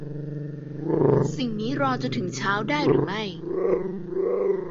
สิ่งนี้รอจนถึงเช้าได้หรือไม่